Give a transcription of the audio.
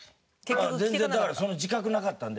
全然だからその自覚なかったんで。